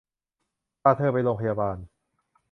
พาเธอไปโรงพยาบาล